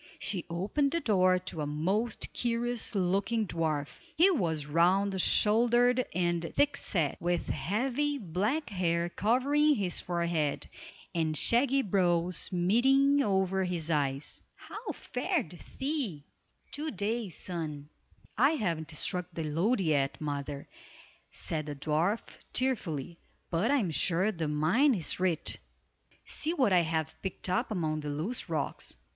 She opened the door to a most curious looking dwarf. He was round shouldered and thick set, with heavy, black hair covering his forehead, and shaggy brows meeting over his eyes. "How fared thee, to day, son?" "I haven't struck the lode yet, mother," said the dwarf, cheerfully, "but I am sure the mine is rich. See what I have picked up among the loose rocks!"